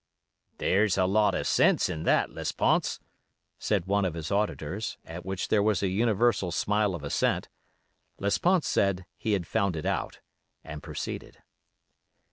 '" "There's a lot of sense in that, Lesponts," said one of his auditors, at which there was a universal smile of assent. Lesponts said he had found it out, and proceeded.